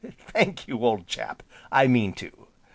"Thank you, old chap, I mean to."